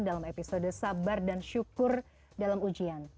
dalam episode sabar dan syukur dalam ujian